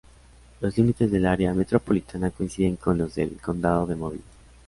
Los límites del área metropolitana coinciden con los del Condado de Mobile.